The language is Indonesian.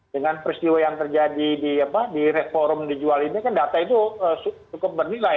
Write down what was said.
dengan peristiwa yang terjadi di reform dijual ini kan data itu cukup bernilai